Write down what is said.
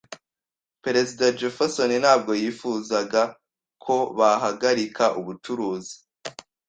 Perezida Jefferson ntabwo yifuzaga ko bahagarika ubucuruzi.